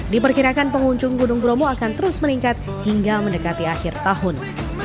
diperkirakan pengunjung gunung bromo akan terus meningkat hingga mendekati akhir tahun